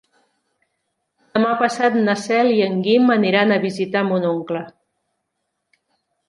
Demà passat na Cel i en Guim aniran a visitar mon oncle.